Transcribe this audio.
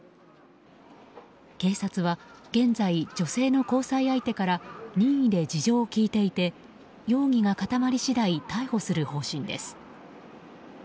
警察は現在、女性の交際相手から任意で事情を聴いていて容疑が固まり次第逮捕する方針です。